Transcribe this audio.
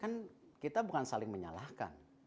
kan kita bukan saling menyalahkan